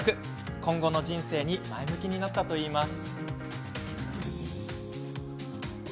今後の人生に前向きになったといいます。